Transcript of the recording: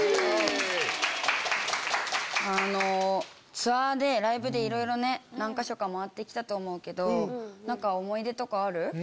ツアーでライブでいろいろ何か所か回って来たと思うけど何か思い出とかある？